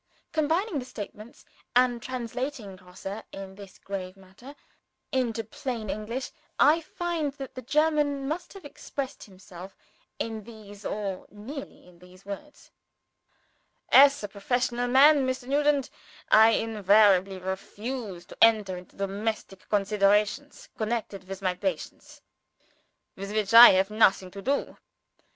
Combining the statements, and translating Grosse (in this grave matter) into plain English, I find that the German must have expressed himself in these, or nearly in these, words: "As a professional man, Mr. Nugent, I invariably refuse to enter into domestic considerations connected with my patients with which I have nothing to do.